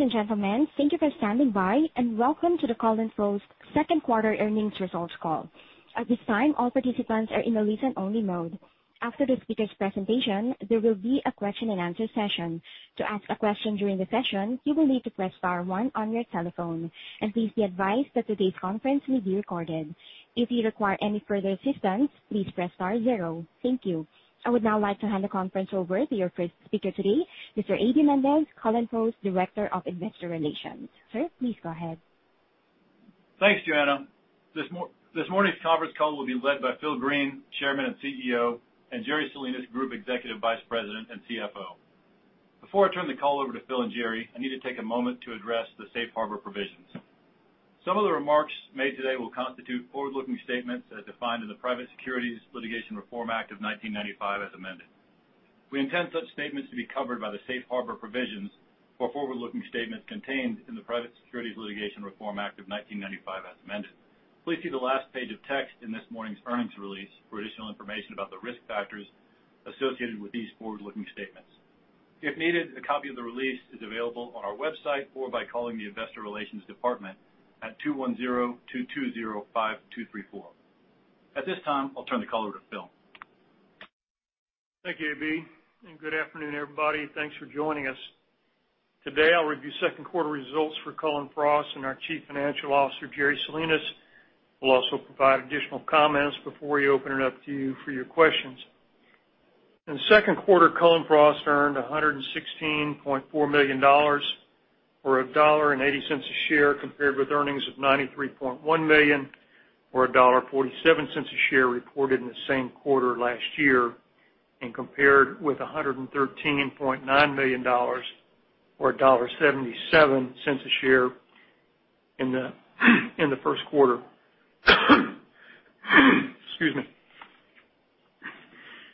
Ladies and gentlemen, thank you for standing by, and welcome to the Cullen/Frost second quarter earnings results call. At this time, all participants are in a listen-only mode. After the speaker's presentation, there will be a question and answer session. To ask a question during the session, you will need to press star one on your telephone. Please be advised that today's conference will be recorded. If you require any further assistance, please press star zero. Thank you. I would now like to hand the conference over to your first speaker today, Mr. A.B. Mendez, Cullen/Frost Director of Investor Relations. Sir, please go ahead. Thanks, Joanna. This morning's conference call will be led by Phil Green, Chairman and CEO, and Jerry Salinas, Group Executive Vice President and CFO. Before I turn the call over to Phil and Jerry, I need to take a moment to address the safe harbor provisions. Some of the remarks made today will constitute forward-looking statements as defined in the Private Securities Litigation Reform Act of 1995 as amended. We intend such statements to be covered by the safe harbor provisions for forward-looking statements contained in the Private Securities Litigation Reform Act of 1995 as amended. Please see the last page of text in this morning's earnings release for additional information about the risk factors associated with these forward-looking statements. If needed, a copy of the release is available on our website or by calling the investor relations department at 210-220-5234. At this time, I'll turn the call over to Phil. Thank you, A.B. Good afternoon, everybody. Thanks for joining us. Today, I'll review second quarter results for Cullen/Frost. Our Chief Financial Officer, Jerry Salinas, will also provide additional comments before we open it up to you for your questions. In the second quarter, Cullen/Frost earned $116.4 million, or $1.80 a share, compared with earnings of $93.1 million or $1.47 a share reported in the same quarter last year. Compared with $113.9 million or $1.77 a share in the first quarter. Excuse me.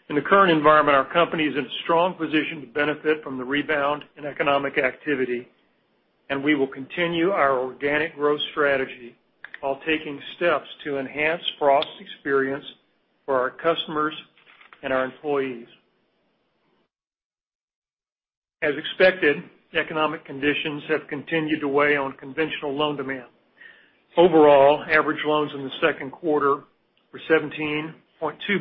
In the current environment, our company is in a strong position to benefit from the rebound in economic activity. We will continue our organic growth strategy while taking steps to enhance Frost's experience for our customers and our employees. As expected, economic conditions have continued to weigh on conventional loan demand. Overall, average loans in the second quarter were $17.2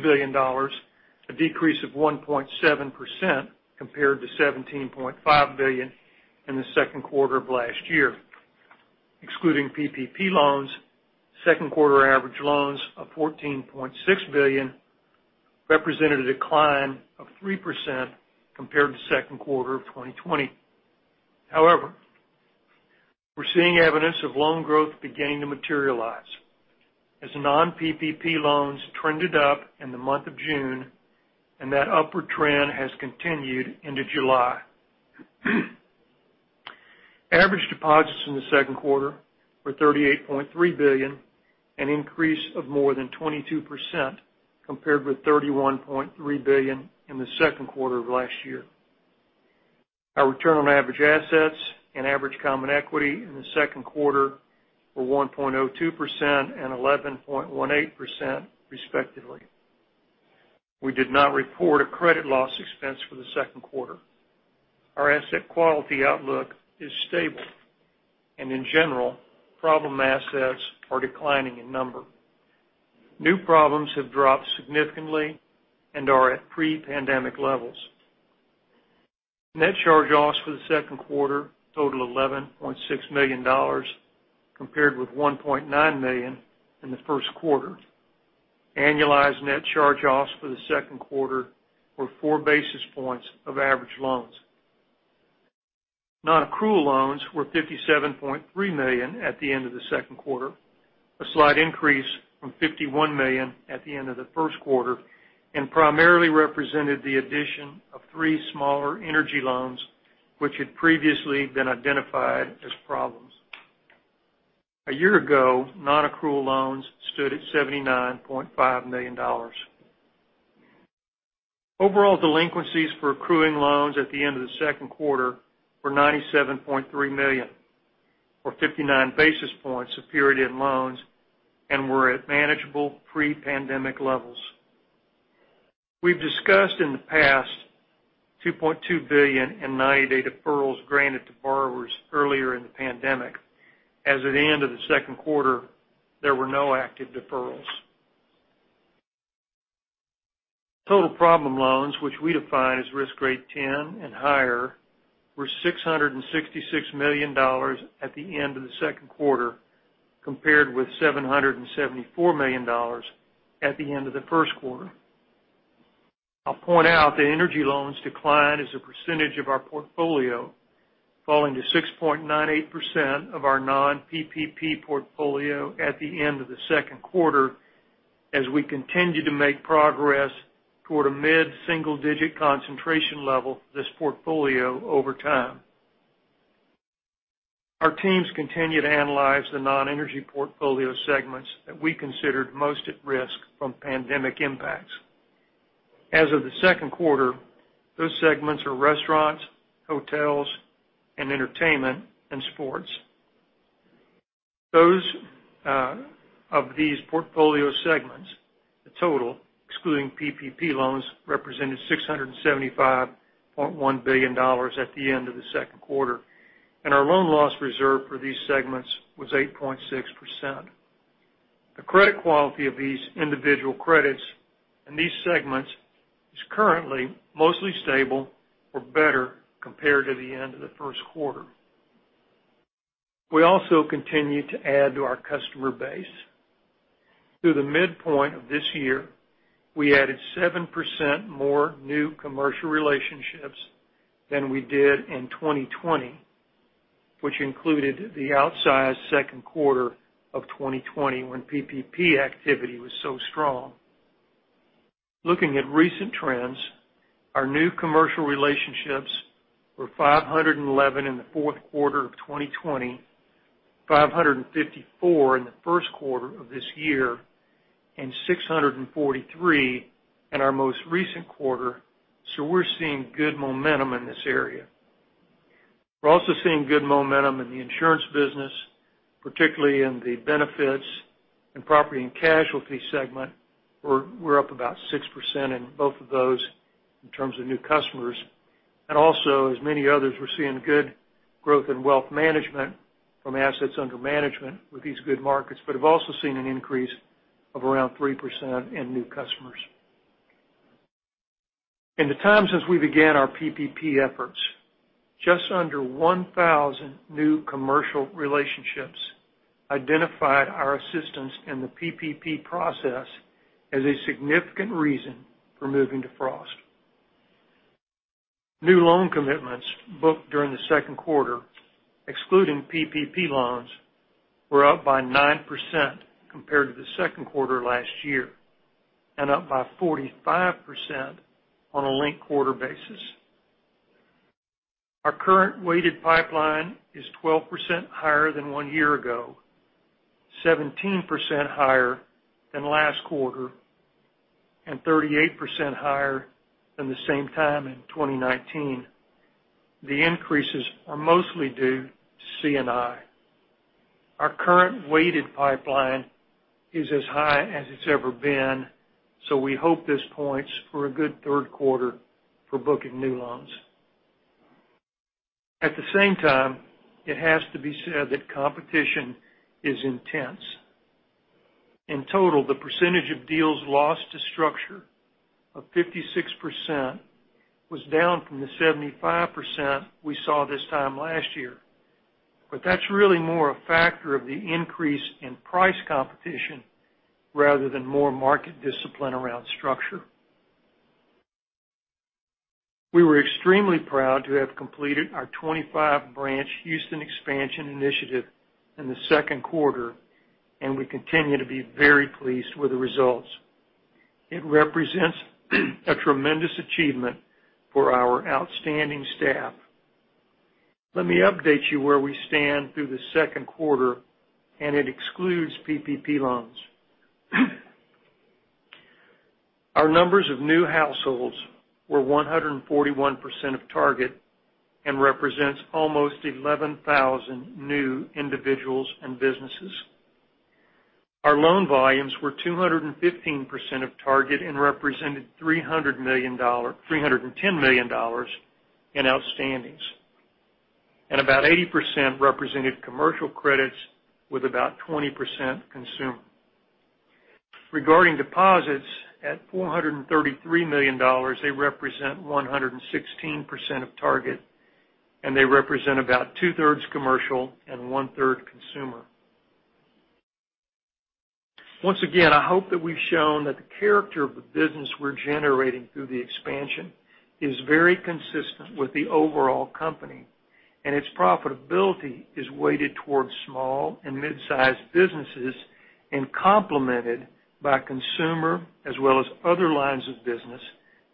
billion, a decrease of 1.7% compared to $17.5 billion in the second quarter of last year. Excluding PPP loans, second quarter average loans of $14.6 billion represented a decline of 3% compared to second quarter of 2020. However, we're seeing evidence of loan growth beginning to materialize as non-PPP loans trended up in the month of June, and that upward trend has continued into July. Average deposits in the second quarter were $38.3 billion, an increase of more than 22% compared with $31.3 billion in the second quarter of last year. Our return on average assets and average common equity in the second quarter were 1.02% and 11.18%, respectively. We did not report a credit loss expense for the second quarter. Our asset quality outlook is stable, and in general, problem assets are declining in number. New problems have dropped significantly and are at pre-pandemic levels. Net charge-offs for the second quarter total $11.6 million, compared with $1.9 million in the first quarter. Annualized net charge-offs for the second quarter were 4 basis points of average loans. Non-accrual loans were $57.3 million at the end of the second quarter, a slight increase from $51 million at the end of the first quarter, and primarily represented the addition of three smaller energy loans, which had previously been identified as problems. A year ago, non-accrual loans stood at $79.5 million. Overall delinquencies for accruing loans at the end of the second quarter were $97.3 million, or 59 basis points of period end loans, and were at manageable pre-pandemic levels. We've discussed in the past $2.2 billion in 90-day deferrals granted to borrowers earlier in the pandemic. As of the end of the second quarter, there were no active deferrals. Total problem loans, which we define as risk grade 10 and higher, were $666 million at the end of the second quarter, compared with $774 million at the end of the first quarter. I'll point out the energy loans decline as a percentage of our portfolio, falling to 6.98% of our non-PPP portfolio at the end of the second quarter as we continue to make progress toward a mid-single digit concentration level for this portfolio over time. Our teams continue to analyze the non-energy portfolio segments that we considered most at risk from pandemic impacts. As of the second quarter, those segments are restaurants, hotels, and entertainment and sports. Those of these portfolio segments, the total, excluding PPP loans, represented $675.1 billion at the end of the second quarter, and our loan loss reserve for these segments was 8.6%. The credit quality of these individual credits in these segments is currently mostly stable or better compared to the end of the first quarter. We also continue to add to our customer base. Through the midpoint of this year, we added 7% more new commercial relationships than we did in 2020, which included the outsized second quarter of 2020 when PPP activity was so strong. Looking at recent trends, our new commercial relationships were 511 in the fourth quarter of 2020, 554 in the first quarter of this year, and 643 in our most recent quarter. We're seeing good momentum in this area. We're also seeing good momentum in the insurance business, particularly in the benefits and property and casualty segment. We're up about 6% in both of those in terms of new customers. Also, as many others, we're seeing good growth in wealth management from assets under management with these good markets, but have also seen an increase of around 3% in new customers. In the time since we began our PPP efforts, just under 1,000 new commercial relationships identified our assistance in the PPP process as a significant reason for moving to Frost. New loan commitments booked during the second quarter, excluding PPP loans, were up by 9% compared to the second quarter last year and up by 45% on a linked-quarter basis. Our current weighted pipeline is 12% higher than one year ago, 17% higher than last quarter, and 38% higher than the same time in 2019. The increases are mostly due to C&I. Our current weighted pipeline is as high as it's ever been, so we hope this points for a good third quarter for booking new loans. At the same time, it has to be said that competition is intense. In total, the percentage of deals lost due to structure of 56% was down from the 75% we saw this time last year. That's really more a factor of the increase in price competition rather than more market discipline around structure. We were extremely proud to have completed our 25-branch Houston expansion initiative in the second quarter, and we continue to be very pleased with the results. It represents a tremendous achievement for our outstanding staff. Let me update you where we stand through the second quarter, and it excludes PPP loans. Our numbers of new households were 141% of target and represents almost 11,000 new individuals and businesses. Our loan volumes were 215% of target and represented $310 million in outstandings, and about 80% represented commercial credits with about 20% consumer. Regarding deposits, at $433 million, they represent 116% of target, and they represent about two-thirds commercial and one-third consumer. Once again, I hope that we've shown that the character of the business we're generating through the expansion is very consistent with the overall company, and its profitability is weighted towards small and mid-sized businesses and complemented by consumer as well as other lines of business,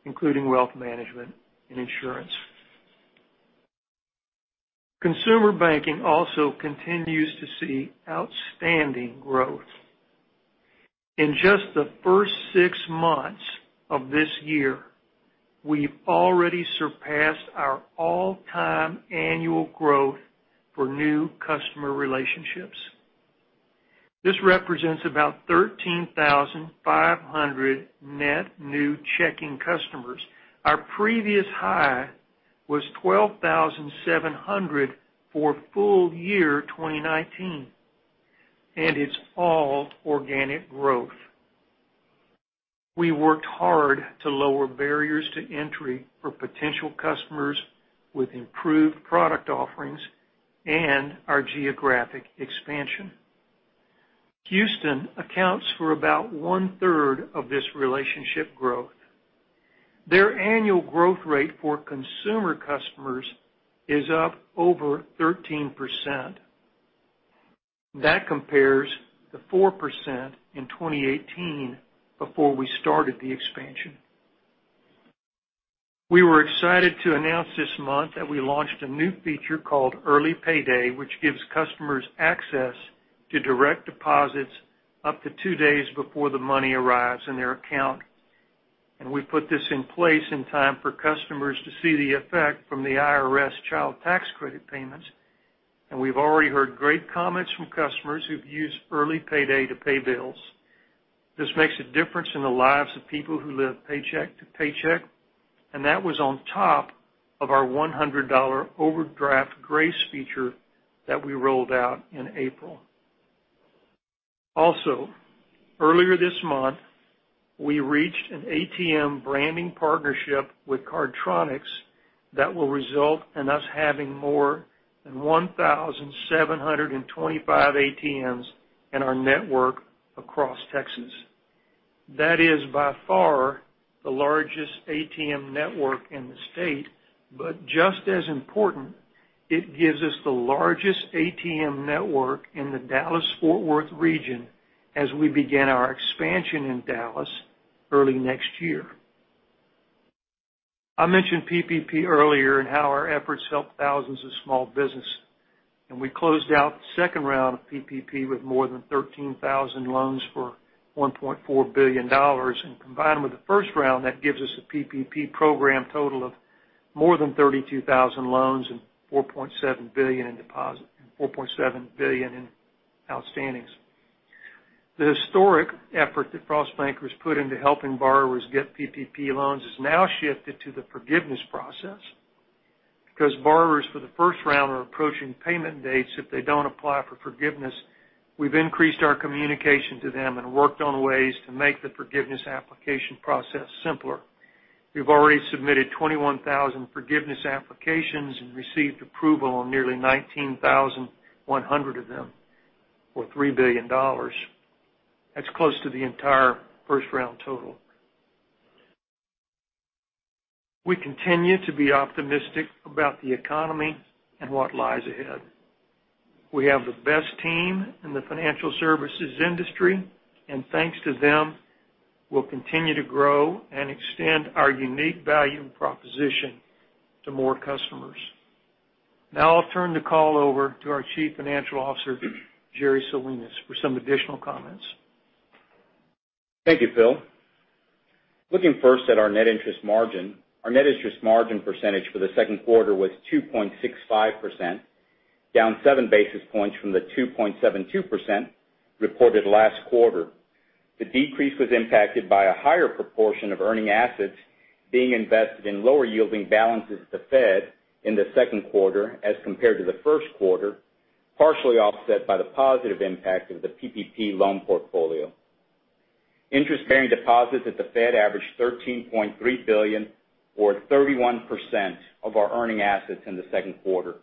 including wealth management and insurance. Consumer banking also continues to see outstanding growth. In just the first 6 months of this year, we've already surpassed our all-time annual growth for new customer relationships. This represents about 13,500 net new checking customers. Our previous high was 12,700 for full year 2019, and it's all organic growth. We worked hard to lower barriers to entry for potential customers with improved product offerings and our geographic expansion. Houston accounts for about one-third of this relationship growth. Their annual growth rate for consumer customers is up over 13%. That compares to 4% in 2018 before we started the expansion. We were excited to announce this month that we launched a new feature called Early Payday, which gives customers access to direct deposits up to two days before the money arrives in their account. We put this in place in time for customers to see the effect from the IRS Child Tax Credit payments. We've already heard great comments from customers who've used Early Payday to pay bills. This makes a difference in the lives of people who live paycheck to paycheck, and that was on top of our $100 overdraft grace feature that we rolled out in April. Also, earlier this month, we reached an ATM branding partnership with Cardtronics that will result in us having more than 1,725 ATMs in our network across Texas. That is by far the largest ATM network in the state, but just as important, it gives us the largest ATM network in the Dallas-Fort Worth region as we begin our expansion in Dallas early next year. I mentioned PPP earlier and how our efforts helped thousands of small businesses, and we closed out the second round of PPP with more than 13,000 loans for $1.4 billion, and combined with the first round, that gives us a PPP program total of more than 32,000 loans and $4.7 billion in outstandings. The historic effort that Frost Bank has put into helping borrowers get PPP loans has now shifted to the forgiveness process. Because borrowers for the first round are approaching payment dates if they don't apply for forgiveness, we've increased our communication to them and worked on ways to make the forgiveness application process simpler. We've already submitted 21,000 forgiveness applications and received approval on nearly 19,100 of them, or $3 billion. That's close to the entire first-round total. We continue to be optimistic about the economy and what lies ahead. We have the best team in the financial services industry, and thanks to them, we'll continue to grow and extend our unique value and proposition to more customers. Now I'll turn the call over to our Chief Financial Officer, Jerry Salinas, for some additional comments. Thank you, Phil. Looking first at our net interest margin, our net interest margin percentage for the second quarter was 2.65%, down 7 basis points from the 2.72% reported last quarter. The decrease was impacted by a higher proportion of earning assets being invested in lower-yielding balances at the Fed in the second quarter as compared to the first quarter, partially offset by the positive impact of the PPP loan portfolio. Interest-bearing deposits at the Fed averaged $13.3 billion, or 31%, of our earning assets in the second quarter,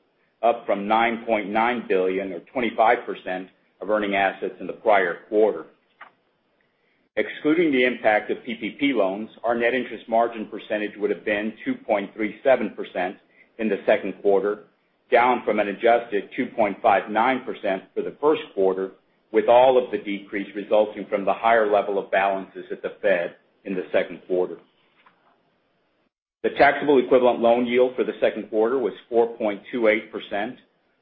up from $9.9 billion, or 25%, of earning assets in the prior quarter. Excluding the impact of PPP loans, our net interest margin percentage would've been 2.37% in the second quarter, down from an adjusted 2.59% for the first quarter, with all of the decrease resulting from the higher level of balances at the Fed in the second quarter. The taxable equivalent loan yield for the second quarter was 4.28%,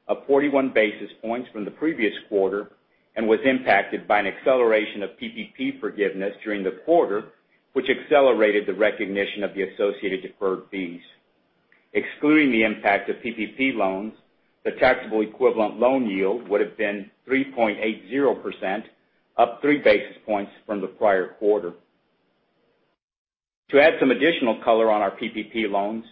up 41 basis points from the previous quarter, and was impacted by an acceleration of PPP forgiveness during the quarter, which accelerated the recognition of the associated deferred fees. Excluding the impact of PPP loans, the taxable equivalent loan yield would've been 3.80%, up 3 basis points from the prior quarter. To add some additional color on our PPP loans,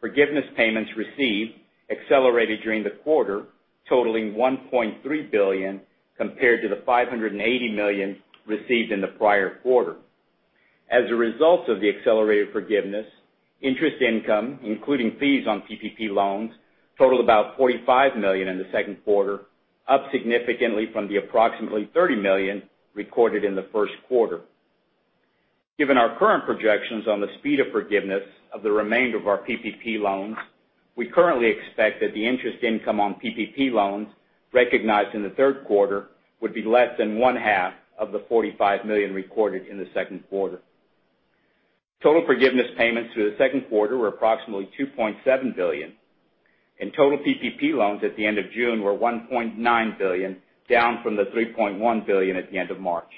forgiveness payments received accelerated during the quarter, totaling $1.3 billion, compared to the $580 million received in the prior quarter. As a result of the accelerated forgiveness, interest income, including fees on PPP loans, totaled about $45 million in the second quarter, up significantly from the approximately $30 million recorded in the first quarter. Given our current projections on the speed of forgiveness of the remainder of our PPP loans, we currently expect that the interest income on PPP loans recognized in the third quarter would be less than one half of the $45 million recorded in the second quarter. Total forgiveness payments through the second quarter were approximately $2.7 billion, and total PPP loans at the end of June were $1.9 billion, down from the $3.1 billion at the end of March.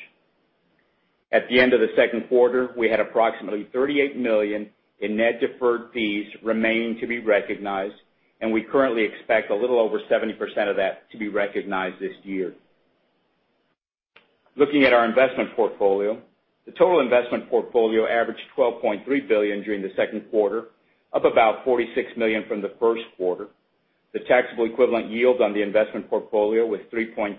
At the end of the second quarter, we had approximately $38 million in net deferred fees remaining to be recognized, and we currently expect a little over 70% of that to be recognized this year. Looking at our investment portfolio, the total investment portfolio averaged $12.3 billion during the second quarter, up about $46 million from the first quarter. The taxable equivalent yield on the investment portfolio was 3.36%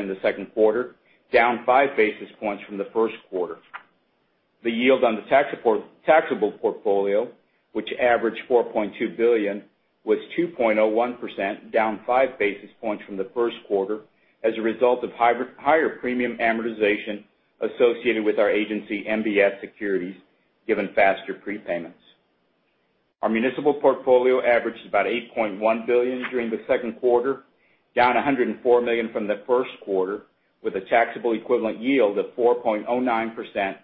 in the second quarter, down 5 basis points from the first quarter. The yield on the taxable portfolio, which averaged $4.2 billion, was 2.01%, down 5 basis points from the first quarter as a result of higher premium amortization associated with our agency MBS securities given faster prepayments. Our municipal portfolio averaged about $8.1 billion during the second quarter, down $104 million from the first quarter, with a taxable equivalent yield of 4.09%,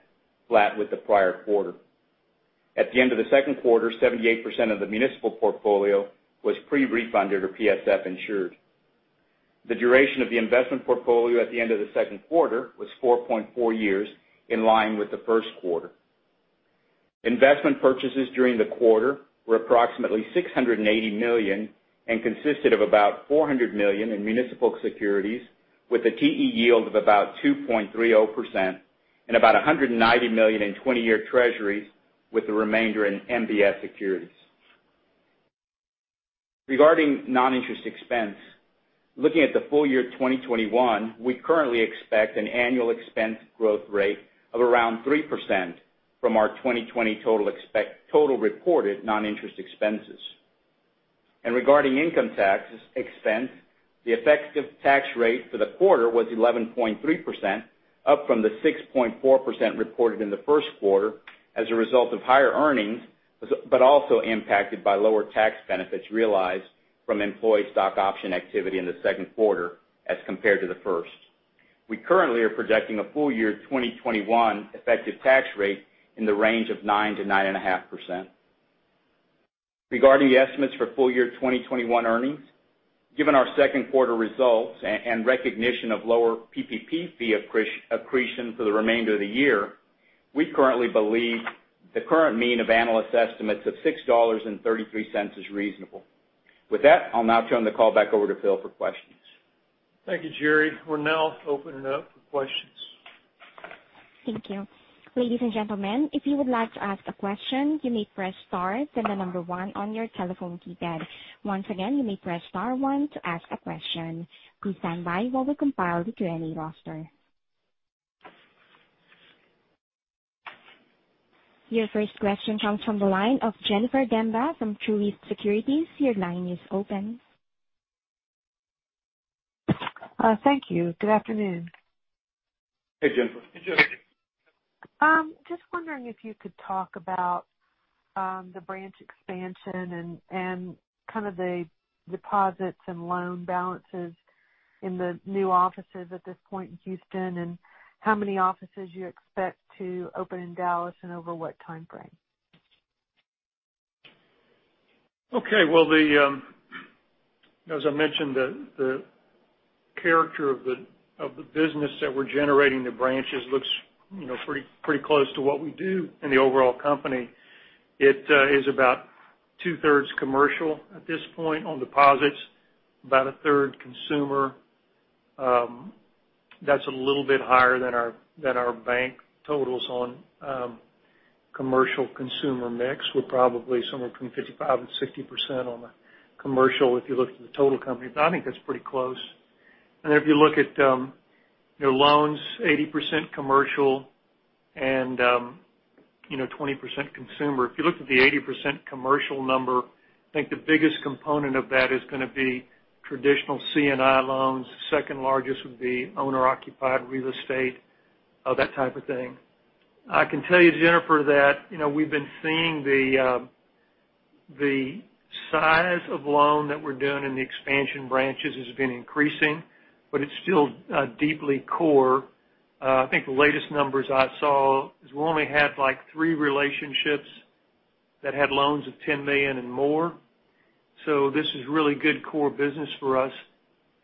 flat with the prior quarter. At the end of the second quarter, 78% of the municipal portfolio was pre-refunded or PSF insured. The duration of the investment portfolio at the end of the second quarter was 4.4 years, in line with the first quarter. Investment purchases during the quarter were approximately $680 million and consisted of about $400 million in municipal securities, with a TE yield of about 2.30%, and about $190 million in 20-year Treasuries with the remainder in MBS securities. Regarding non-interest expense, looking at the full year 2021, we currently expect an annual expense growth rate of around 3% from our 2020 total reported non-interest expenses. Regarding income taxes expense, the effective tax rate for the quarter was 11.3%, up from the 6.4% reported in the first quarter as a result of higher earnings, but also impacted by lower tax benefits realized from employee stock option activity in the second quarter as compared to the first. We currently are projecting a full year 2021 effective tax rate in the range of 9%-9.5%. Regarding the estimates for full year 2021 earnings, given our second quarter results and recognition of lower PPP fee accretion for the remainder of the year, we currently believe the current mean of analyst estimates of $6.33 is reasonable. With that, I'll now turn the call back over to Phil for questions. Thank you, Jerry. We're now opening up for questions. Thank you. Ladies and gentlemen, if you would like to ask a question, you may press star then the number one on your telephone keypad. Once again, you may press star one to ask a question. Please stand by while we compile the Q&A roster. Your first question comes from the line of Jennifer Demba from Truist Securities. Your line is open. Thank you. Good afternoon. Hey, Jennifer. Hey, Jennifer. Just wondering if you could talk about the branch expansion and the deposits and loan balances in the new offices at this point in Houston, and how many offices you expect to open in Dallas and over what timeframe? Okay. As I mentioned, the character of the business that we're generating, the branches looks pretty close to what we do in the overall company. It is about two-thirds commercial at this point on deposits, about one-third consumer. That's a little bit higher than our bank totals on commercial consumer mix. We're probably somewhere between 55% and 60% on the commercial if you look at the total company, but I think that's pretty close. If you look at loans, 80% commercial and 20% consumer. If you look at the 80% commercial number, I think the biggest component of that is going to be traditional C&I loans. Second largest would be owner-occupied real estate, that type of thing. I can tell you, Jennifer, that we've been seeing the size of loan that we're doing in the expansion branches has been increasing, but it's still deeply core. I think the latest numbers I saw is we only had 3 relationships that had loans of $10 million and more. This is really good core business for us.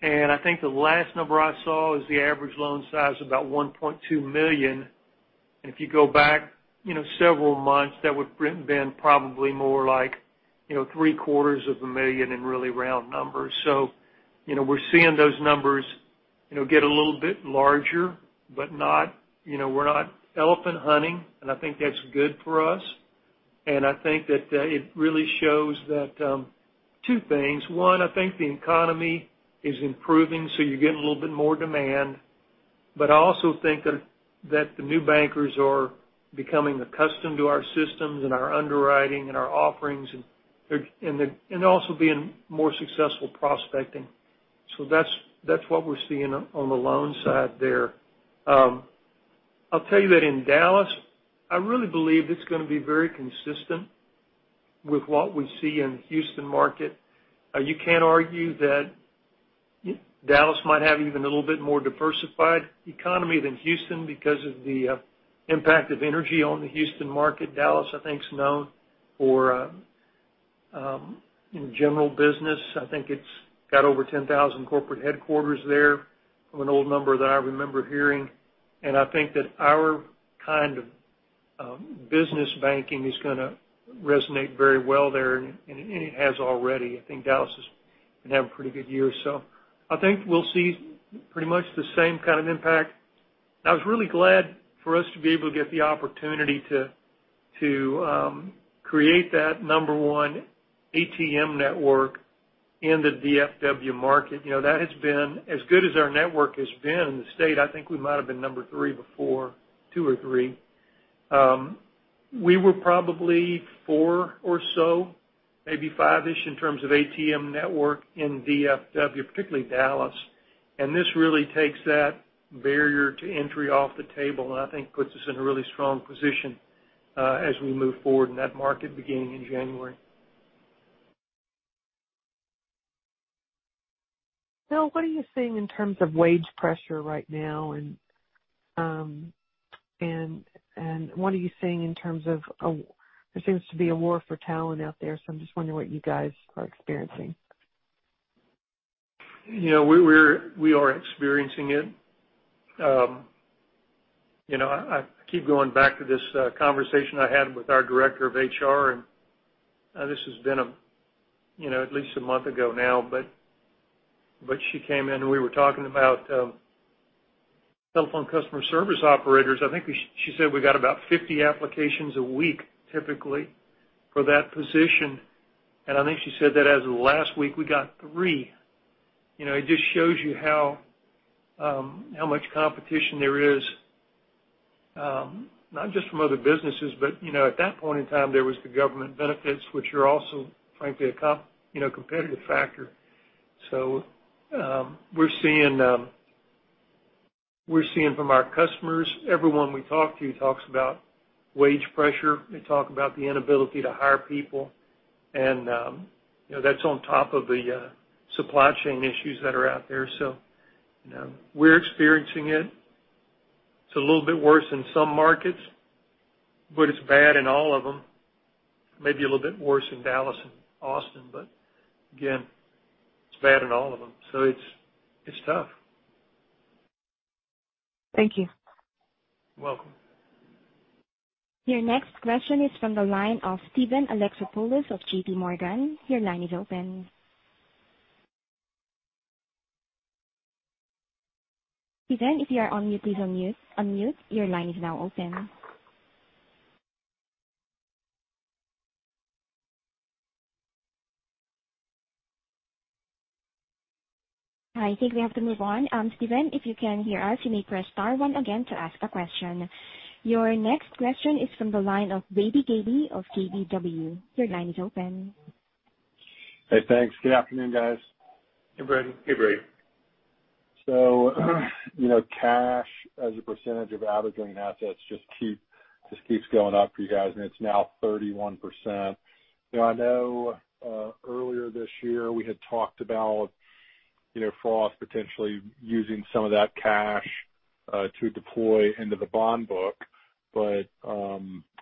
I think the last number I saw is the average loan size, about $1.2 million. If you go back several months, that would've been probably more like three quarters of a million in really round numbers. We're seeing those numbers get a little bit larger, but we're not elephant hunting, and I think that's good for us. I think that It really shows two things. 1, I think the economy is improving, so you're getting a little bit more demand, but I also think that the new bankers are becoming accustomed to our systems and our underwriting and our offerings, and also being more successful prospecting. That's what we're seeing on the loan side there. I'll tell you that in Dallas, I really believe it's going to be very consistent with what we see in Houston market. You can't argue that Dallas might have even a little bit more diversified economy than Houston because of the impact of energy on the Houston market. Dallas, I think, is known for general business. I think it's got over 10,000 corporate headquarters there from an old number that I remember hearing. I think that our kind of business banking is going to resonate very well there, and it has already. I think Dallas has been having pretty good year, so I think we'll see pretty much the same kind of impact. I was really glad for us to be able to get the opportunity to create that number one ATM network in the D.F.W. market. As good as our network has been in the state, I think we might've been number 3 before, 2 or 3. We were probably 4 or so, maybe 5-ish in terms of ATM network in DFW, particularly Dallas. This really takes that barrier to entry off the table and I think puts us in a really strong position as we move forward in that market beginning in January. Phil, what are you seeing in terms of wage pressure right now and there seems to be a war for talent out there, so I'm just wondering what you guys are experiencing? We are experiencing it. I keep going back to this conversation I had with our director of HR, and this has been at least a month ago now. She came in, and we were talking about telephone customer service operators. I think she said we got about 50 applications a week typically for that position. I think she said that as of last week, we got 3. It just shows you how much competition there is, not just from other businesses, but at that point in time, there was the government benefits, which are also, frankly, a competitive factor. We're seeing from our customers, everyone we talk to talks about wage pressure. They talk about the inability to hire people, and that's on top of the supply chain issues that are out there. We're experiencing it. It's a little bit worse in some markets, but it's bad in all of them. Maybe a little bit worse in Dallas and Austin, but again, it's bad in all of them. It's tough. Thank you. Welcome. Your next question is from the line of Steven Alexopoulos of JPMorgan. Your line is open. Steven, if you are on mute, please unmute. Your line is now open. I think we have to move on. Steven, if you can hear us, you may press star one again to ask a question. Your next question is from the line of Brady Gailey of KBW. Your line is open. Hey, thanks. Good afternoon, guys. Hey, Brady. Hey, Brady. Cash as a percentage of averaging assets just keeps going up for you guys, and it's now 31%. I know earlier this year we had talked about Frost potentially using some of that cash to deploy into the bond book.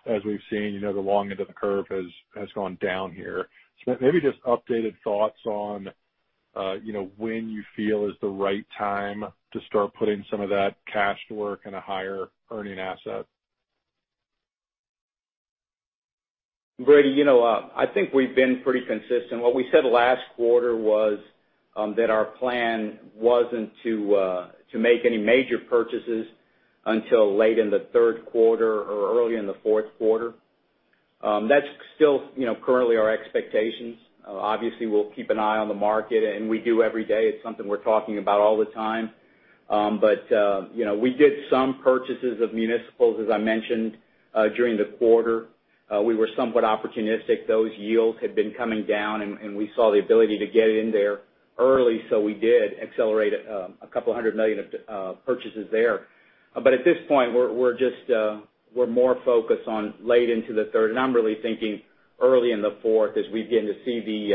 As we've seen, the long end of the curve has gone down here. Maybe just updated thoughts on when you feel is the right time to start putting some of that cash to work in a higher earning asset. Brady, I think we've been pretty consistent. What we said last quarter was that our plan wasn't to make any major purchases until late in the third quarter or early in the fourth quarter. That's still currently our expectations. Obviously, we'll keep an eye on the market, and we do every day. It's something we're talking about all the time. We did some purchases of municipals, as I mentioned, during the quarter. We were somewhat opportunistic. Those yields had been coming down, and we saw the ability to get in there early, so we did accelerate $200 million of purchases there. At this point, we're more focused on late into the third, and I'm really thinking early in the fourth as we begin to see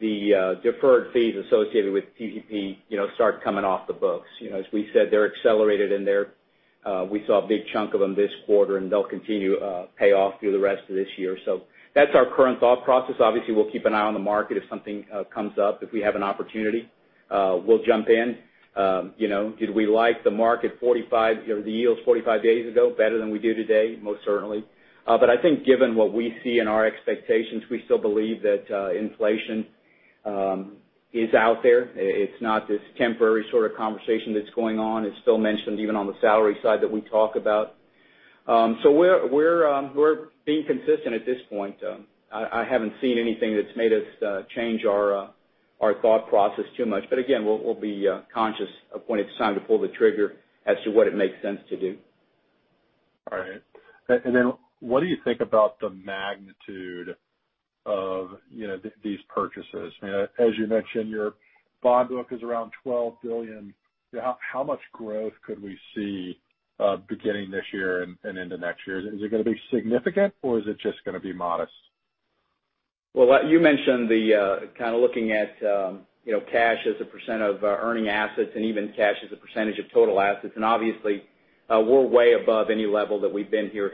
the deferred fees associated with PPP start coming off the books. As we said, they're accelerated, and we saw a big chunk of them this quarter, and they'll continue to pay off through the rest of this year. That's our current thought process. Obviously, we'll keep an eye on the market if something comes up. If we have an opportunity, we'll jump in. Did we like the market 45 or the yields 45 days ago better than we do today? Most certainly. I think given what we see in our expectations, we still believe that inflation is out there. It's not this temporary sort of conversation that's going on. It's still mentioned even on the salary side that we talk about. We're being consistent at this point. I haven't seen anything that's made us change our thought process too much. Again, we'll be conscious of when it's time to pull the trigger as to what it makes sense to do. All right. What do you think about the magnitude of these purchases? As you mentioned, your bond book is around $12 billion. How much growth could we see beginning this year and into next year? Is it going to be significant, or is it just going to be modest? You mentioned the kind of looking at cash as a % of earning assets and even cash as a % of total assets. Obviously, we're way above any level that we've been here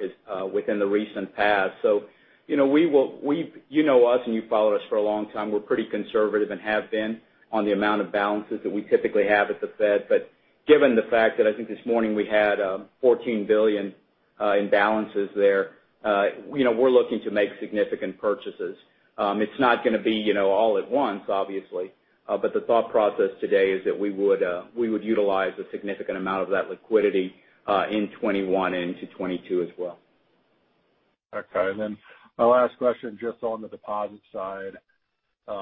within the recent past. You know us, and you've followed us for a long time. We're pretty conservative and have been on the amount of balances that we typically have at the Fed. Given the fact that I think this morning we had $14 billion in balances there, we're looking to make significant purchases. It's not going to be all at once, obviously, but the thought process today is that we would utilize a significant amount of that liquidity in 2021 into 2022 as well. Okay. My last question, just on the deposit side.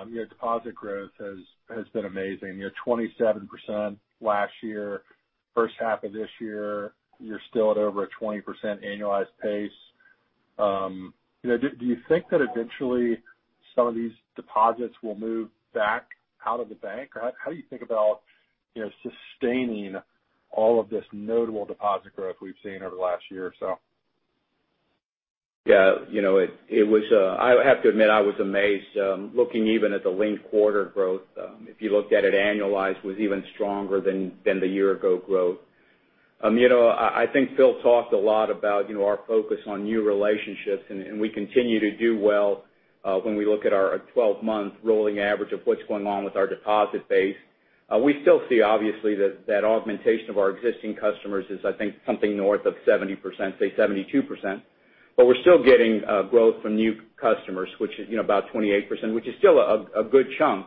Your deposit growth has been amazing. You're 27% last year, first half of this year, you're still at over a 20% annualized pace. Do you think that eventually some of these deposits will move back out of the bank? How do you think about sustaining all of this notable deposit growth we've seen over the last year or so? Yeah, I have to admit, I was amazed. Looking even at the linked quarter growth, if you looked at it annualized, was even stronger than the year ago growth. I think Phil talked a lot about our focus on new relationships, and we continue to do well when we look at our 12-month rolling average of what's going on with our deposit base. We still see, obviously, that augmentation of our existing customers is, I think, something north of 70%, say 72%, but we're still getting growth from new customers, about 28%, which is still a good chunk.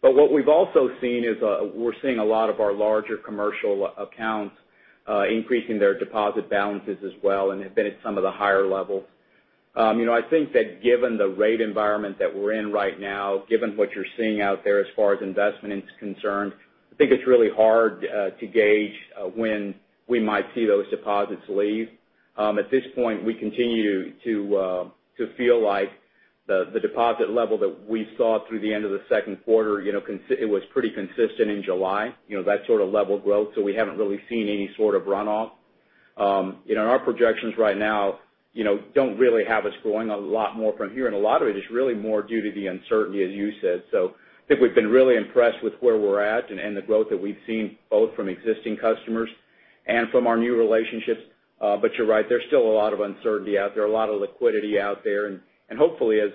What we've also seen is we're seeing a lot of our larger commercial accounts increasing their deposit balances as well and have been at some of the higher levels. I think that given the rate environment that we're in right now, given what you're seeing out there as far as investment is concerned, I think it's really hard to gauge when we might see those deposits leave. At this point, we continue to feel like the deposit level that we saw through the end of the second quarter, it was pretty consistent in July, that sort of level growth, so we haven't really seen any sort of runoff. Our projections right now don't really have us growing a lot more from here, and a lot of it is really more due to the uncertainty, as you said. I think we've been really impressed with where we're at and the growth that we've seen, both from existing customers and from our new relationships. You're right, there's still a lot of uncertainty out there, a lot of liquidity out there, and hopefully, as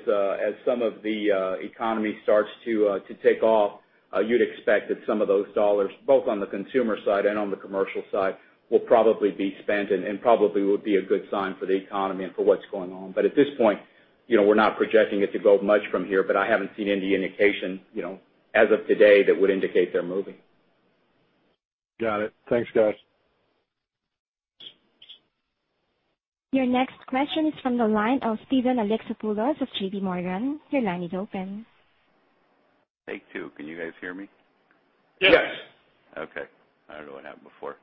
some of the economy starts to take off, you'd expect that some of those dollars, both on the consumer side and on the commercial side, will probably be spent and probably would be a good sign for the economy and for what's going on. At this point, we're not projecting it to grow much from here, but I haven't seen any indication, as of today, that would indicate they're moving. Got it. Thanks, guys. Your next question is from the line of Steven Alexopoulos of JPMorgan. Your line is open. Take two. Can you guys hear me? Yes. Yes. Okay. I don't know what happened before.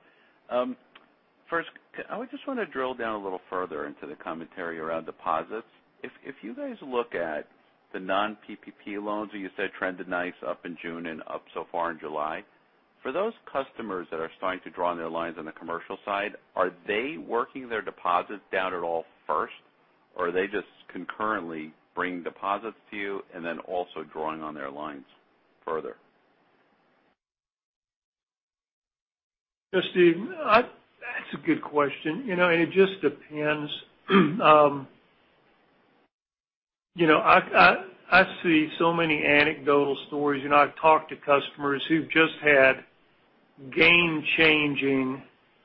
First, I just want to drill down a little further into the commentary around deposits. If you guys look at the non-PPP loans that you said trended nice up in June and up so far in July, for those customers that are starting to draw on their lines on the commercial side, are they working their deposits down at all first, or are they just concurrently bringing deposits to you and then also drawing on their lines further? Steve, that's a good question. It just depends. I see so many anecdotal stories, and I've talked to customers who've just had game-changing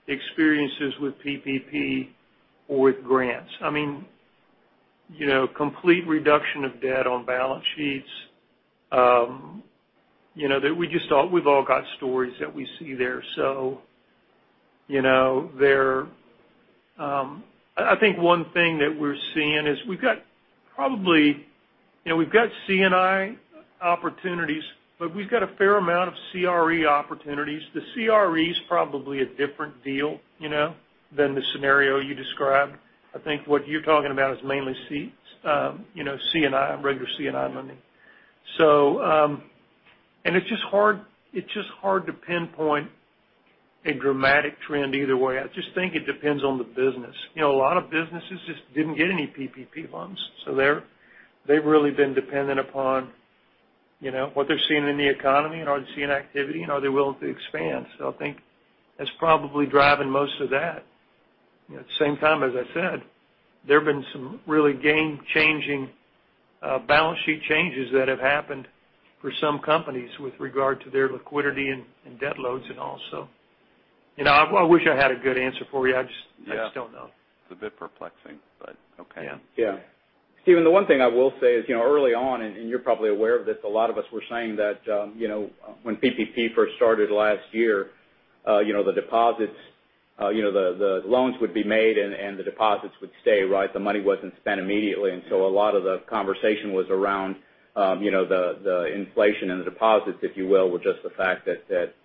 experiences with PPP or with grants. Complete reduction of debt on balance sheets. We've all got stories that we see there. I think one thing that we're seeing is we've got C&I opportunities, but we've got a fair amount of CRE opportunities. The CRE is probably a different deal than the scenario you described. I think what you're talking about is mainly regular C&I lending. It's just hard to pinpoint a dramatic trend either way. I just think it depends on the business. A lot of businesses just didn't get any PPP loans, so they've really been dependent upon what they're seeing in the economy and are they seeing activity, and are they willing to expand. I think that's probably driving most of that. At the same time, as I said, there have been some really game-changing balance sheet changes that have happened for some companies with regard to their liquidity and debt loads, and all. I wish I had a good answer for you. I just don't know. It's a bit perplexing, but okay. Yeah. Steven, the one thing I will say is, early on, and you're probably aware of this, a lot of us were saying that when PPP first started last year, the loans would be made and the deposits would stay. The money wasn't spent immediately, and so a lot of the conversation was around the inflation in the deposits, if you will, with just the fact that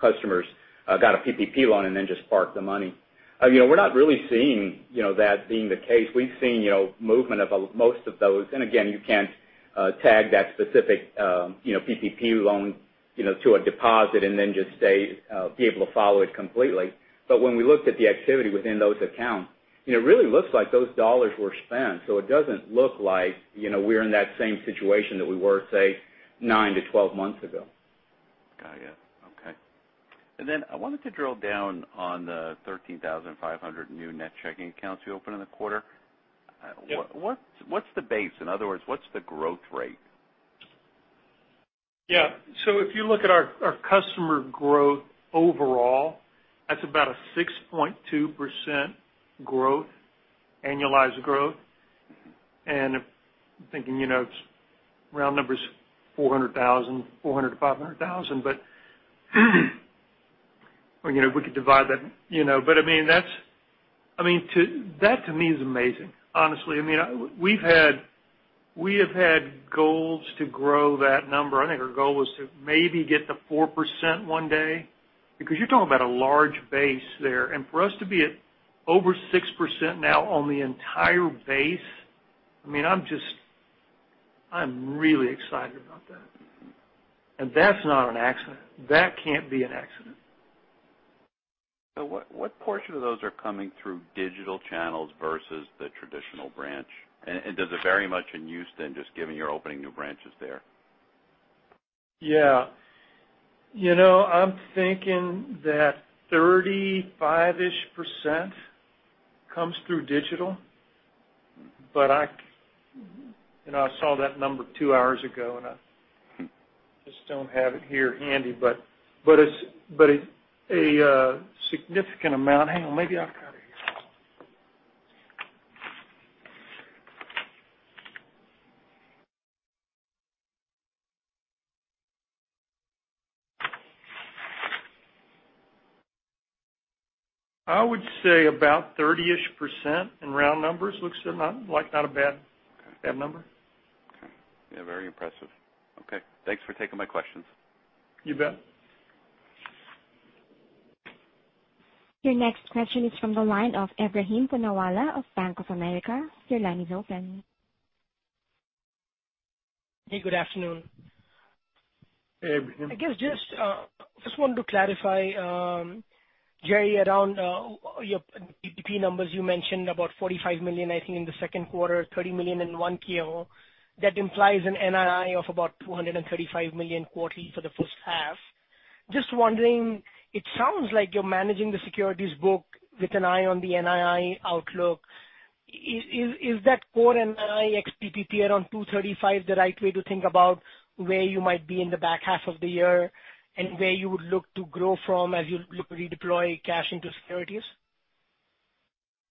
customers got a PPP loan and then just parked the money. We're not really seeing that being the case. We've seen movement of most of those, and again, you can't tag that specific PPP loan to a deposit and then just be able to follow it completely. When we looked at the activity within those accounts, it really looks like those dollars were spent. It doesn't look like we're in that same situation that we were, say, 9-12 months ago. Got you. Okay. I wanted to drill down on the 13,500 new net checking accounts you opened in the quarter. Yeah. What's the base? In other words, what's the growth rate? Yeah. If you look at our customer growth overall, that's about a 6.2% annualized growth. I'm thinking, round numbers, 400,000, 400,000 to 500,000. We could divide that. That to me is amazing, honestly. We have had goals to grow that number. I think our goal was to maybe get to 4% one day because you're talking about a large base there. For us to be at over 6% now on the entire base, I'm really excited about that. That's not an accident. That can't be an accident. What portion of those are coming through digital channels versus the traditional branch? Does it vary much in Houston, just given you're opening new branches there? Yeah. I'm thinking that 35-ish% comes through digital. I saw that number two hours ago, and I just don't have it here handy. A significant amount. Hang on. Maybe I've got it here. I would say about 30-ish% in round numbers. Looks like not a bad number. Okay. Yeah, very impressive. Okay. Thanks for taking my questions. You bet. Your next question is from the line of Ebrahim Poonawala of Bank of America. Your line is open. Hey, good afternoon. Hey, Ebrahim. I guess, just wanted to clarify, Jerry, around your PPP numbers. You mentioned $45 million, I think, in the second quarter, $30 million in 1Q. That implies an NII of $235 million quarterly for the first half. Just wondering, it sounds like you're managing the securities book with an eye on the NII outlook. Is that core NII ex PPP around $235 the right way to think about where you might be in the back half of the year, and where you would look to grow from as you look to redeploy cash into securities?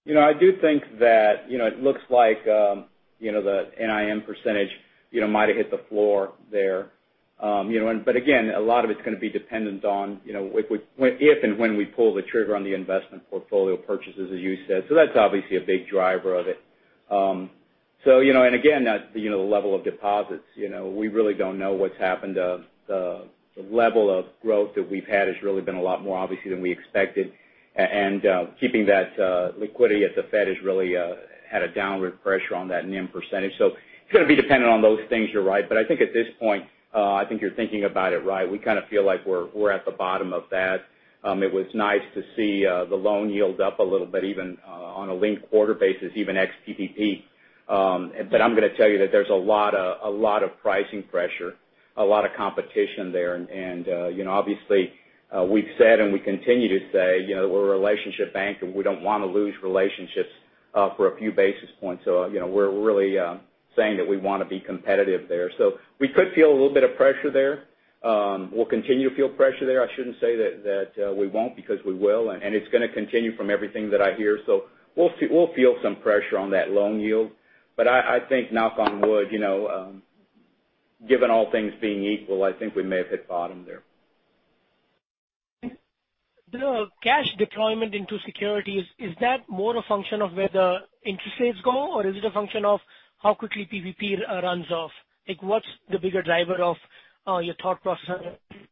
I do think that it looks like the NIM percentage might have hit the floor there. Again, a lot of it's going to be dependent on if and when we pull the trigger on the investment portfolio purchases, as you said. That's obviously a big driver of it. And again, the level of deposits, we really don't know what's happened. The level of growth that we've had has really been a lot more, obviously, than we expected. And keeping that liquidity at the Fed has really had a downward pressure on that NIM percentage. It's going to be dependent on those things, you're right. I think at this point, I think you're thinking about it right. We kind of feel like we're at the bottom of that. It was nice to see the loan yield up a little bit, even on a linked quarter basis, even ex PPP. I'm going to tell you that there's a lot of pricing pressure, a lot of competition there. Obviously, we've said, and we continue to say, we're a relationship bank and we don't want to lose relationships for a few basis points. We're really saying that we want to be competitive there. We could feel a little bit of pressure there. We'll continue to feel pressure there. I shouldn't say that we won't, because we will, and it's going to continue from everything that I hear. We'll feel some pressure on that loan yield. I think, knock on wood, given all things being equal, I think we may have hit bottom there. The cash deployment into securities, is that more a function of where the interest rates go, or is it a function of how quickly PPP runs off? What's the bigger driver of your thought process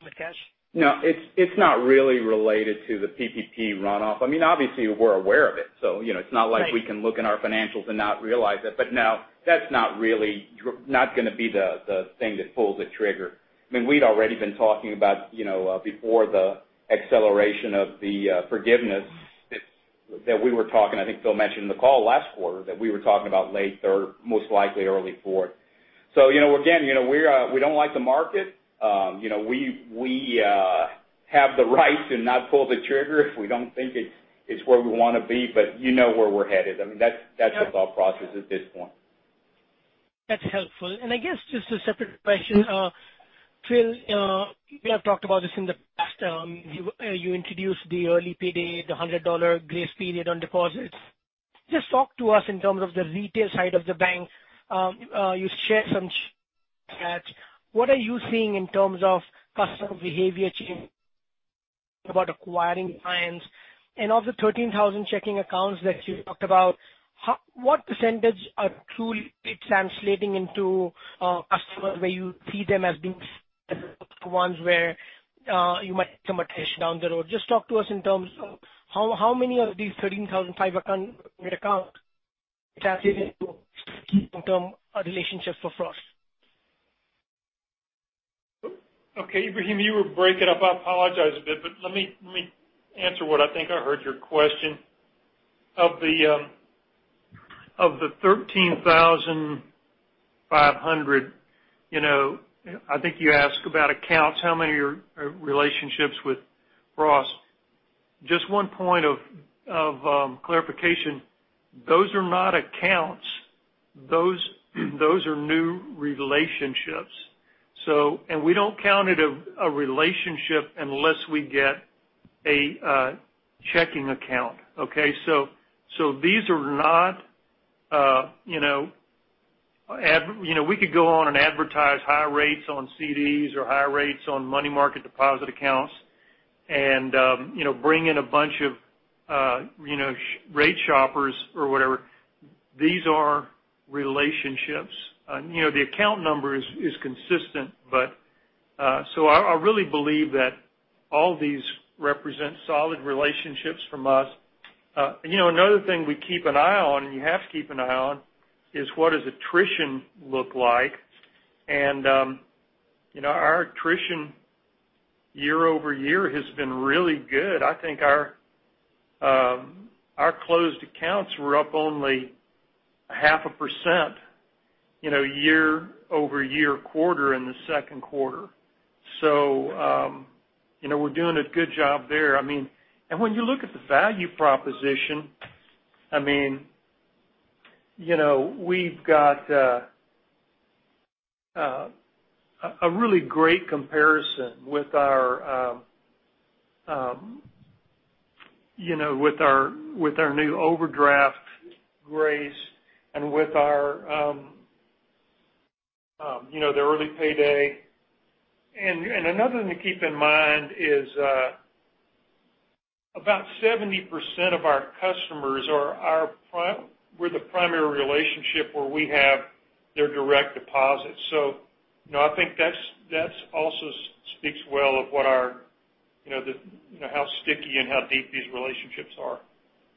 with cash? It's not really related to the PPP runoff. Obviously, we're aware of it, so it's not like we can look in our financials and not realize it. No, that's not going to be the thing that pulls the trigger. We'd already been talking about before the acceleration of the forgiveness, that we were talking, I think Phil mentioned in the call last quarter, that we were talking about late third, most likely early fourth. Again, we don't like the market. We have the right to not pull the trigger if we don't think it's where we want to be, but you know where we're headed. That's the thought process at this point. That's helpful. I guess just a separate question. Phil, we have talked about this in the past. You introduced the Early Payday, the $100 grace period on deposits. Just talk to us in terms of the retail side of the bank. You shared some stats. What are you seeing in terms of customer behavior change about acquiring clients? Of the 13,000 checking accounts that you talked about, what % are truly translating into customers where you see them as being ones where you might see some attrition down the road? Just talk to us in terms of how many of these 13,500 accounts translate into long-term relationships for Frost? Okay. Ebrahim, you were breaking up. I apologize a bit, let me answer what I think I heard your question. Of the 13,500, I think you asked about accounts, how many are relationships with Frost? Just one point of clarification. Those are not accounts, those are new relationships. We don't count it a relationship unless we get a checking account, okay? We could go on and advertise high rates on CDs or high rates on money market deposit accounts and bring in a bunch of rate shoppers or whatever. These are relationships. The account growth is consistent. I really believe that all these represent solid relationships from us. Another thing we keep an eye on, and you have to keep an eye on, is what does attrition look like? Our attrition year-over-year has been really good. I think our closed accounts were up only half a percent year over year quarter in the second quarter. We're doing a good job there. When you look at the value proposition, we've got a really great comparison with our new overdraft grace and with the Early Payday. Another thing to keep in mind is about 70% of our customers, we're the primary relationship where we have their direct deposits. I think that also speaks well of how sticky and how deep these relationships are.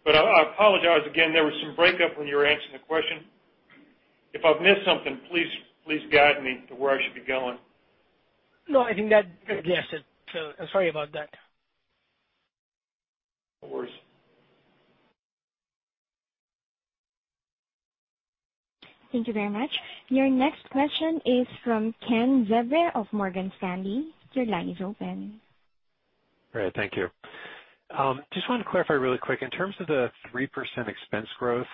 I apologize again, there was some breakup when you were asking the question. If I've missed something, please guide me to where I should be going. No, I think that's it. Sorry about that. No worries. Thank you very much. Your next question is from Ken Zerbe of Morgan Stanley. Your line is open. Great. Thank you. Just wanted to clarify really quick, in terms of the 3% expense growth,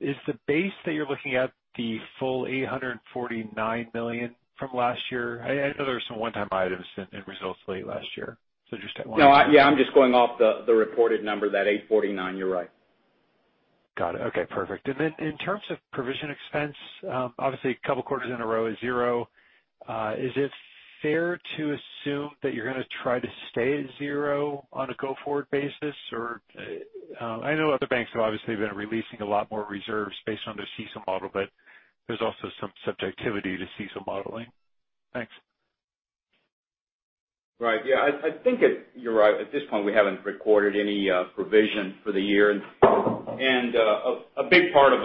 is the base that you're looking at the full $849 million from last year? I know there were some one-time items in results late last year. Just wondering. No. I'm just going off the reported number, that $849. You're right. Got it. Okay, perfect. Then in terms of provision expense, obviously a couple quarters in a row is 0. Is it fair to assume that you're going to try to stay at 0 on a go-forward basis? I know other banks have obviously been releasing a lot more reserves based on their CECL model, but there's also some subjectivity to CECL modeling. Thanks. Right. Yeah. I think you're right. At this point, we haven't recorded any provision for the year. A big part of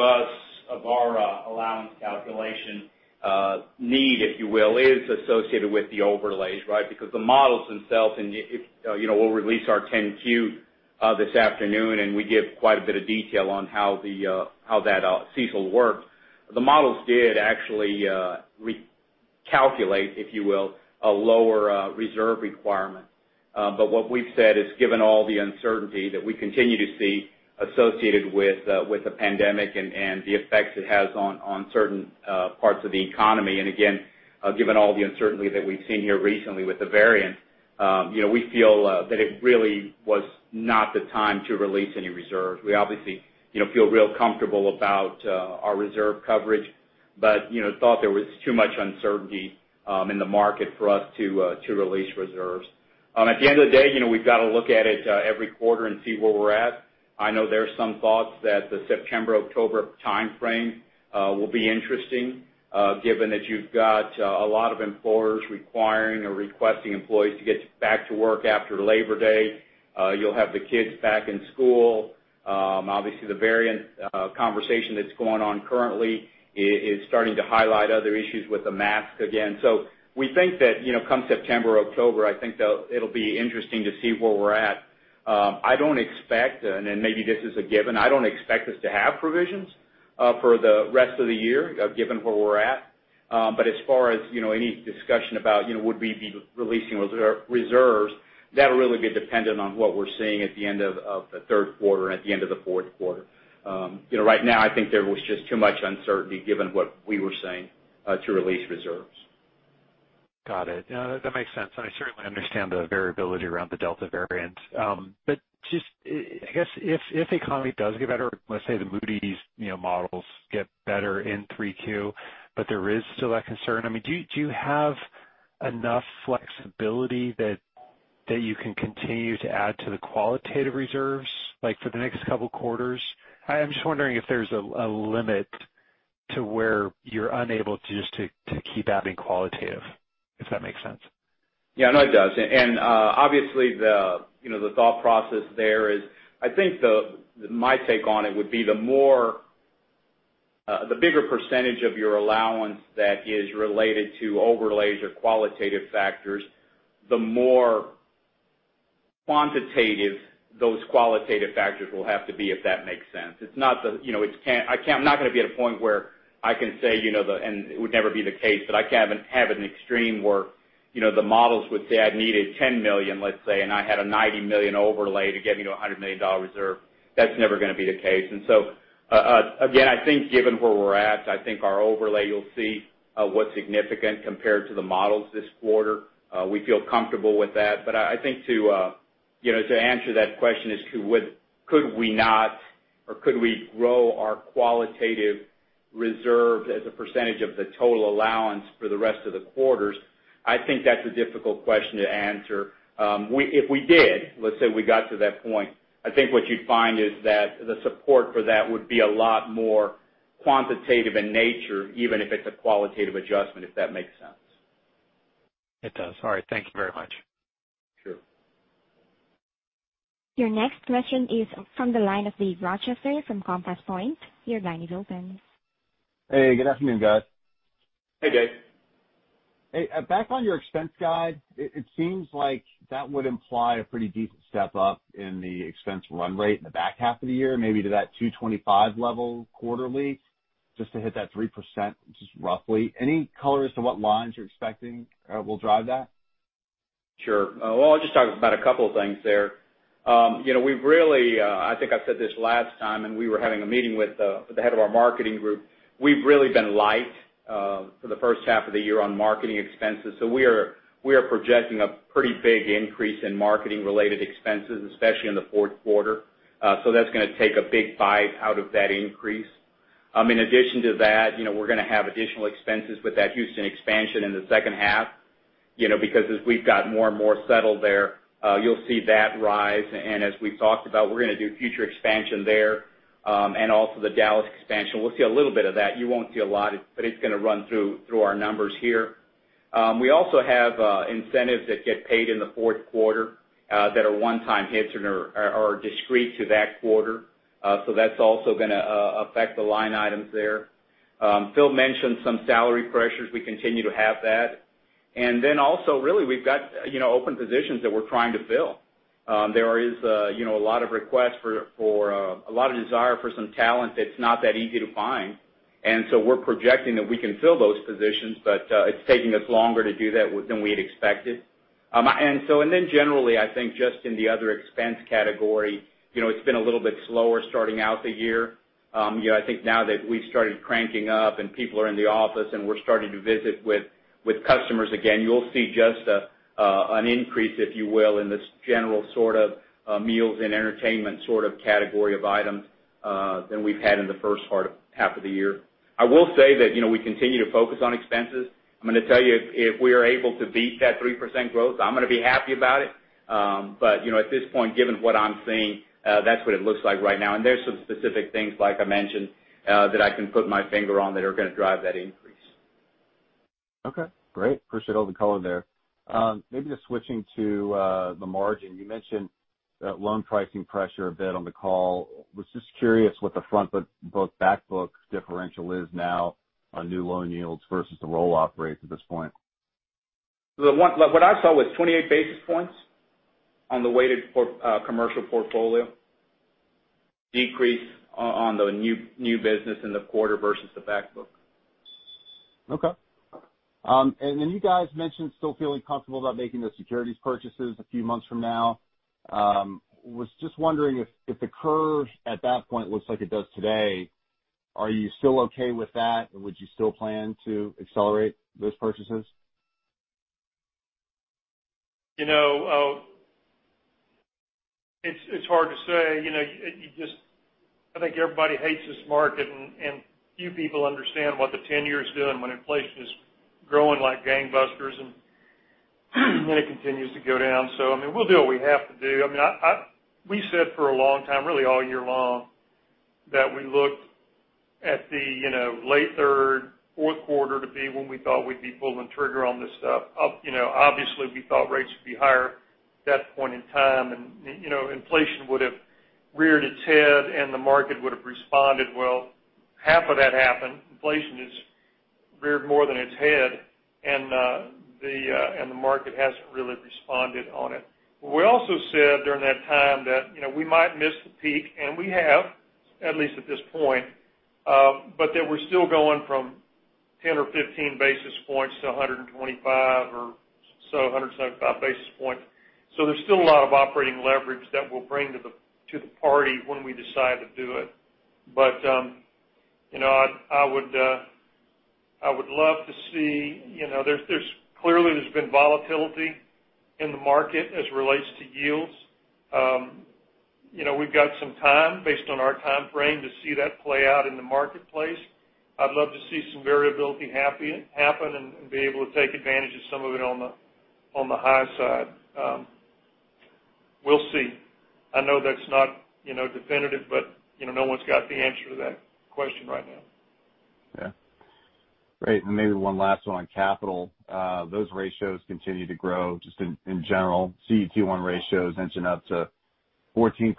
our allowance calculation need, if you will, is associated with the overlays, right? Because the models themselves, and we'll release our 10-Q this afternoon, and we give quite a bit of detail on how that CECL works. The models did actually recalculate, if you will, a lower reserve requirement. What we've said is, given all the uncertainty that we continue to see associated with the pandemic and the effects it has on certain parts of the economy, and again, given all the uncertainty that we've seen here recently with the variant, we feel that it really was not the time to release any reserves. We obviously feel real comfortable about our reserve coverage, but thought there was too much uncertainty in the market for us to release reserves. At the end of the day, we've got to look at it every quarter and see where we're at. I know there's some thoughts that the September-October timeframe will be interesting, given that you've got a lot of employers requiring or requesting employees to get back to work after Labor Day. You'll have the kids back in school. Obviously, the variant conversation that's going on currently is starting to highlight other issues with the mask again. We think that come September or October, I think it'll be interesting to see where we're at. I don't expect, and maybe this is a given, I don't expect us to have provisions for the rest of the year, given where we're at. As far as any discussion about would we be releasing reserves, that'll really be dependent on what we're seeing at the end of the third quarter and at the end of the fourth quarter. Right now, I think there was just too much uncertainty given what we were seeing to release reserves. Got it. That makes sense. I certainly understand the variability around the delta variant. Just, I guess if the economy does get better, let's say the Moody's models get better in Q3, but there is still that concern. Do you have enough flexibility that you can continue to add to the qualitative reserves, like for the next couple quarters? I'm just wondering if there's a limit to where you're unable to just keep adding qualitative, if that makes sense. No, it does. Obviously the thought process there is, I think my take on it would be the bigger % of your allowance that is related to overlays or qualitative factors, the more quantitative those qualitative factors will have to be, if that makes sense. I'm not going to be at a point where I can say, and it would never be the case, but I can't have an extreme where the models would say I needed $10 million, let's say, and I had a $90 million overlay to get me to $100 million reserve. That's never going to be the case. Again, I think given where we're at, I think our overlay, you'll see what's significant compared to the models this quarter. We feel comfortable with that. I think to answer that question as to could we grow our qualitative reserves as a percentage of the total allowance for the rest of the quarters, I think that's a difficult question to answer. If we did, let's say we got to that point, I think what you'd find is that the support for that would be a lot more quantitative in nature, even if it's a qualitative adjustment, if that makes sense. It does. All right. Thank you very much. Sure. Your next question is from the line of Dave Rochester from Compass Point. Your line is open. Hey, good afternoon, guys. Hey, Dave. Hey, back on your expense guide, it seems like that would imply a pretty decent step up in the expense run rate in the back half of the year, maybe to that $225 level quarterly, just to hit that 3%, just roughly. Any color as to what lines you're expecting will drive that? Sure. Well, I'll just talk about a couple of things there. I think I said this last time and we were having a meeting with the head of our marketing group. We've really been light, for the first half of the year on marketing expenses. We are projecting a pretty big increase in marketing related expenses, especially in the fourth quarter. That's going to take a big bite out of that increase. In addition to that, we're going to have additional expenses with that Houston expansion in the second half. As we've got more and more settled there, you'll see that rise, and as we've talked about, we're going to do future expansion there. Also the Dallas expansion. We'll see a little bit of that. You won't see a lot of, but it's going to run through our numbers here. We also have incentives that get paid in the 4th quarter, that are one-time hits and are discrete to that quarter. That's also going to affect the line items there. Phil mentioned some salary pressures. We continue to have that. Also really, we've got open positions that we're trying to fill. There is a lot of requests for a lot of desire for some talent that's not that easy to find. We're projecting that we can fill those positions, but it's taking us longer to do that than we had expected. Generally, I think just in the other expense category, it's been a little bit slower starting out the year. I think now that we've started cranking up and people are in the office and we're starting to visit with customers again. You'll see just an increase, if you will, in this general sort of, meals and entertainment sort of category of items than we've had in the first half of the year. I will say that we continue to focus on expenses. I'm going to tell you, if we are able to beat that 3% growth, I'm going to be happy about it. At this point, given what I'm seeing, that's what it looks like right now. There's some specific things, like I mentioned, that I can put my finger on that are going to drive that increase. Okay. Great. Appreciate all the color there. Maybe just switching to the margin. You mentioned that loan pricing pressure a bit on the call. Was just curious what the front book, back book differential is now on new loan yields versus the roll-off rates at this point. What I saw was 28 basis points on the weighted commercial portfolio decrease on the new business in the quarter versus the back book. Okay. You guys mentioned still feeling comfortable about making those securities purchases a few months from now. I was just wondering if the curve at that point looks like it does today, are you still okay with that or would you still plan to accelerate those purchases? It's hard to say. I think everybody hates this market. Few people understand what the 10-year is doing when inflation is growing like gangbusters, then it continues to go down. We'll do what we have to do. We said for a long time, really all year long, that we looked at the late third, fourth quarter to be when we thought we'd be pulling the trigger on this stuff. Obviously, we thought rates would be higher at that point in time. Inflation would have reared its head, the market would have responded. Well, half of that happened. Inflation has reared more than its head. The market hasn't really responded on it. We also said during that time that we might miss the peak, and we have, at least at this point, that we're still going from 10 or 15 basis points to 125 or so, 175 basis points. There's still a lot of operating leverage that we'll bring to the party when we decide to do it. Clearly, there's been volatility in the market as it relates to yields. We've got some time based on our timeframe to see that play out in the marketplace. I'd love to see some variability happen and be able to take advantage of some of it on the high side. We'll see. I know that's not definitive, but no one's got the answer to that question right now. Yeah. Great. Maybe one last one on capital. Those ratios continue to grow just in general. CET1 ratios inching up to 14%.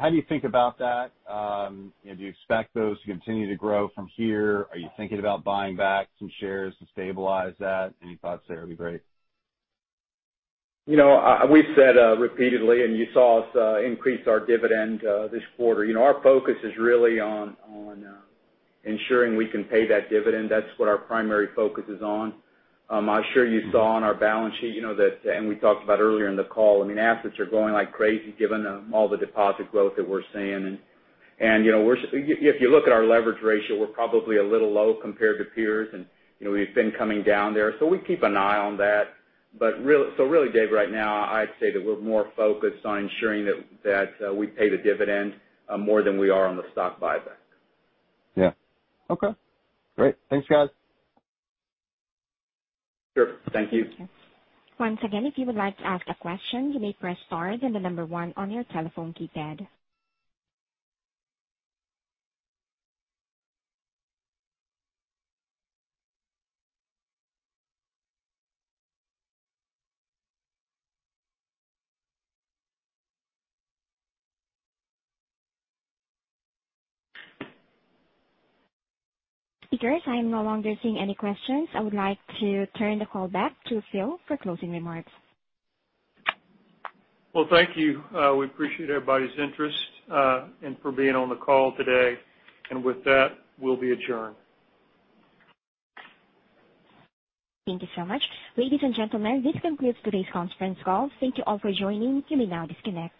How do you think about that? Do you expect those to continue to grow from here? Are you thinking about buying back some shares to stabilize that? Any thoughts there would be great. We've said repeatedly, and you saw us increase our dividend this quarter. Our focus is really on ensuring we can pay that dividend. That's what our primary focus is on. I'm sure you saw on our balance sheet, and we talked about earlier in the call, assets are going like crazy given all the deposit growth that we're seeing. If you look at our leverage ratio, we're probably a little low compared to peers, and we've been coming down there. We keep an eye on that. Really, Dave, right now, I'd say that we're more focused on ensuring that we pay the dividend more than we are on the stock buyback. Yeah. Okay. Great. Thanks, guys. Sure. Thank you. Once again, if you would like to ask a question, you may press star then the 1 on your telephone keypad. Speakers, I am no longer seeing any questions. I would like to turn the call back to Phil for closing remarks Well, thank you. We appreciate everybody's interest, and for being on the call today. With that, we'll be adjourned. Thank you so much. Ladies and gentlemen, this concludes today's conference call. Thank you all for joining. You may now disconnect.